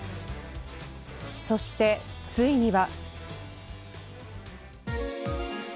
そして、ついには。